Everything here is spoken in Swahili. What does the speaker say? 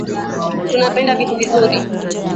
Tunapenda vitu vizuri